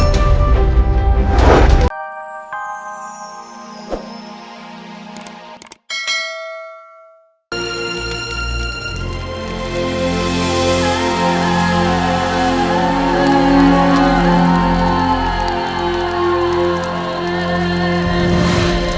kau tidak akan puas